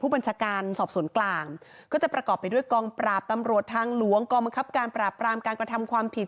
บัญชาการสอบสวนกลางก็จะประกอบไปด้วยกองปราบตำรวจทางหลวงกองบังคับการปราบปรามการกระทำความผิด